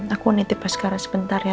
aku nitip sekarang sebentar ya